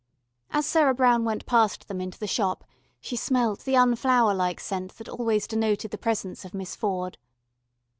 As Sarah Brown went past them into the Shop, she smelt the unflower like scent that always denoted the presence of Miss Ford.